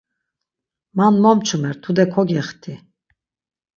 Man mo mçumer, tude kogexti!